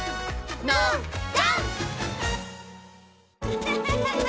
アハハハハ！